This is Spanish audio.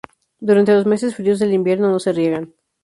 Durante los meses fríos del invierno no se riegan.